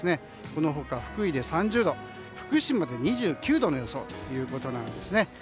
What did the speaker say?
このほか福井で３０度、福島で２９度の予想ということです。